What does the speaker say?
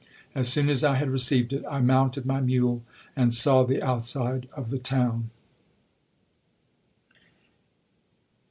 As soon as I had received it, I mounted my mule, and saw the outside of the town.